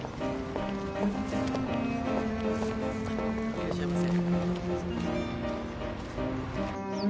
いらっしゃいませ。